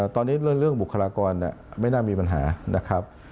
ตอนนี้เรื่องบุคลากรไม่น่ามีปัญหานะครับ